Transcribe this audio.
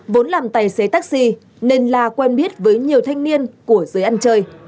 vốn làm tài xế taxi nên la quen biết với nhiều thanh niên của giới ăn chơi